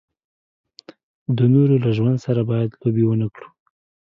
د نورو له ژوند سره باید لوبې و نه کړو.